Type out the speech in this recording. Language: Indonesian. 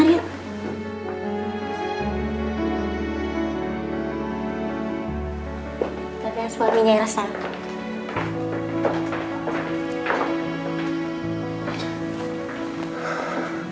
rasanya udah banyak